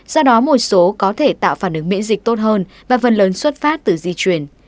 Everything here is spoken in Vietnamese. do đó một số có thể tạo phản ứng miễn dịch tốt hơn và phần lớn xuất phát từ di chuyển